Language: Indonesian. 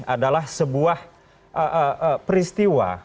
adalah sebuah peristiwa